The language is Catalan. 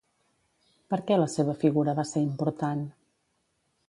Per què la seva figura va ser important?